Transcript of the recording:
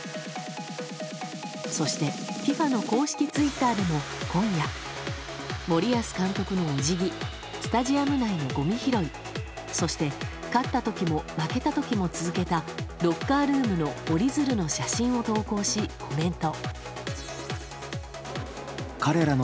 そして、ＦＩＦＡの公式ツイッターでも今夜森保監督のお辞儀スタジアム内のごみ拾いそして勝った時も負けた時も続けたロッカールームの折り鶴の写真を投稿しコメント。